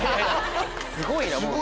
すごいな！